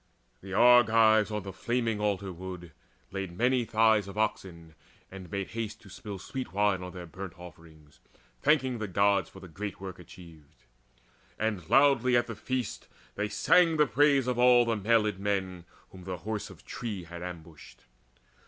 The Argives on the flaming altar wood Laid many thighs of oxen, and made haste To spill sweet wine on their burnt offerings, Thanking the Gods for that great work achieved. And loudly at the feast they sang the praise Of all the mailed men whom the Horse of Tree Had ambushed.